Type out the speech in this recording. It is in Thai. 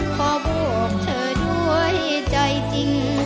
ขอบอกเธอด้วยใจจริง